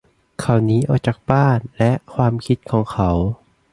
เขาหนีออกจากบ้านและความคิดของเขา